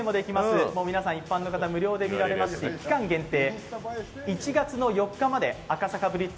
皆さん、一般の方無料で見られますし、期間限定１月４日まで赤坂ＢＬＩＴＺ